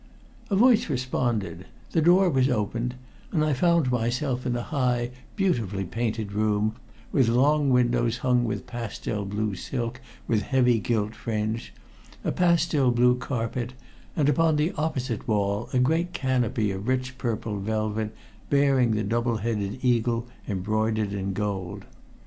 A voice responded, the door was opened, and I found myself in a high, beautifully painted room, with long windows hung with pastel blue silk with heavy gilt fringe, a pastel blue carpet, and upon the opposite wall a great canopy of rich purple velvet bearing the double headed eagle embroidered in gold.